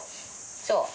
そう。